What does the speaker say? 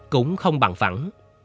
cũng không bằng phẳng